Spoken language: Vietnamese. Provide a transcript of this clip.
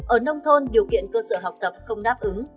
ở nông thôn điều kiện cơ sở học tập không đáp ứng